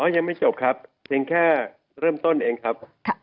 ยังไม่จบครับเพียงแค่เริ่มต้นเองครับ